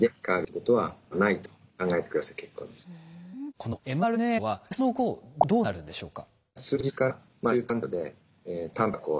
このｍＲＮＡはその後どうなるんでしょうか？